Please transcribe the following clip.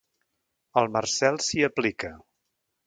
El Marcel s'hi aplica.